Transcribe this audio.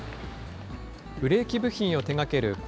ブレーキ部品を手がける